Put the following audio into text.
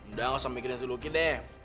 udah gak usah mikirin si lucky deh